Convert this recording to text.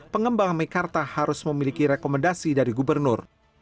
pengembang mekarta harus memiliki rekomendasi dari gubernur